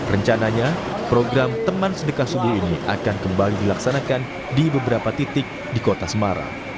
rencananya program teman sedekah sudir ini akan kembali dilaksanakan di beberapa titik di kota semarang